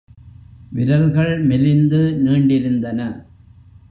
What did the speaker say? விரல்கள் மெலிந்து நீண்டிருந்தன.